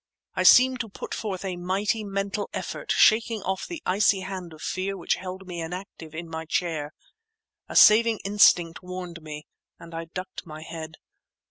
I seemed to put forth a mighty mental effort, shaking off the icy hand of fear which held me inactive in my chair. A saving instinct warned me—and I ducked my head.